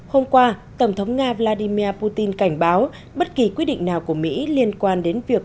hôm qua tổng thống nga vladimir putin cảnh báo bất kỳ quyết định nào của mỹ liên quan đến việc